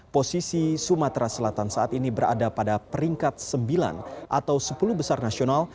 posisi sumatera selatan saat ini berada pada peringkat sembilan atau sepuluh besar nasional